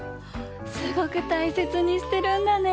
すごくたいせつにしてるんだね！